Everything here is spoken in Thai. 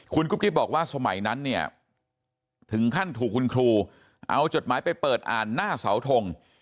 คุณกุ๊กกิ๊บบอกว่าสมัยนั้นเนี่ยถึงขั้นถูกคุณครูเอาจดหมายไปเปิดอ่านหน้าเสาทง